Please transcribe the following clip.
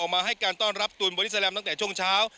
มาให้การต้อนรับตูนบอดี้แลมตั้งแต่ช่วงเช้า